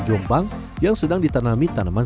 jombang yang sedang ditanami tanaman